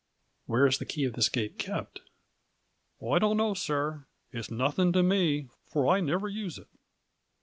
" Where is the key of this gate kept ?" I don't know, sir, its nothing to me, for I never use it.